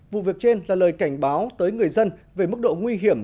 vụ việc trên là lời cảnh báo tới người dân về mức độ nguy hiểm